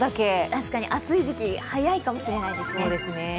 確かに暑い時期、早いかもしれないですね。